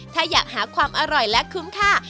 ถ้าอยากหาความอร่อยและคุ้มค่า